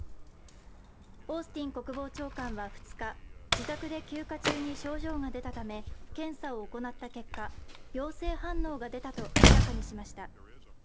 オースティン国防長官は２日、自宅で休暇中に症状が出たため検査を行った結果、陽性反応が出たと明らかにしました。